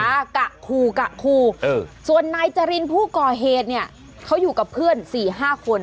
กะคูกะคู่ส่วนนายจรินผู้ก่อเหตุเนี่ยเขาอยู่กับเพื่อนสี่ห้าคน